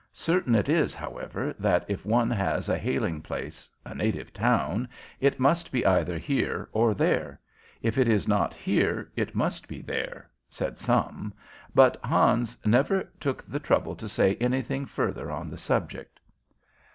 Certain it is, however, that if one has a hailing place, a native town, it must be either here or there. If it is not here, it must be there, said some; but Hans never took the trouble to say anything further on the subject.